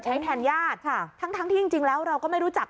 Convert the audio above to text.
ใช้แทนญาติทั้งที่จริงแล้วเราก็ไม่รู้จัก